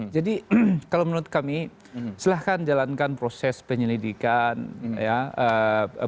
jadi kalau menurut kami silahkan jalankan proses penyelidikan ya